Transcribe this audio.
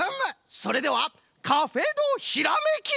それでは「カフェドひらめき」！